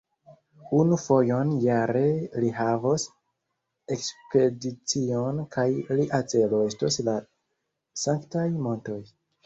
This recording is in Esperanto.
Unu fojon jare li havos ekspedicion kaj lia celo estos la sanktaj montoj.